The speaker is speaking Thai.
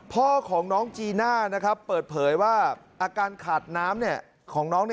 พ่อของน้องจีน่าเปิดเผยว่าอาการขาดน้ำของน้อง